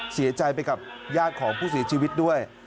เสียใจไปกับญาติของผู้เสียชีวิตด้วย